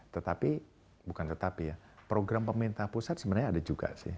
tetapi bukan tetapi ya program pemerintah pusat sebenarnya ada juga sih